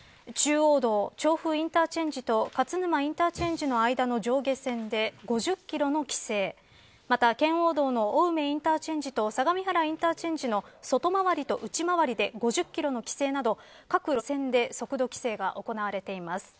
中央道、調布インターチェンジと勝沼インターチェンジの間の上下線で５０キロの規制また圏央道の青梅インターチェンジと相模原インターチェンジの外回りと内回りで５０キロの規制など各路線で速度規制が行われています。